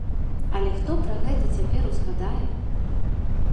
Але хто пра гэта цяпер узгадае?